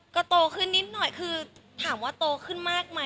ก็โตขึ้นนิดหน่อยคือถามว่าโตขึ้นมากไหม